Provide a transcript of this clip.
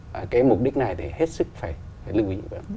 và cái mục đích này thì hết sức phải lưu ý